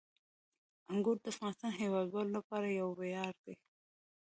انګور د افغانستان د هیوادوالو لپاره یو ویاړ دی.